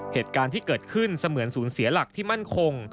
เหตุการณ์ที่เกิดขึ้นเสมือนศูนย์เสียหลักที่มั่นคง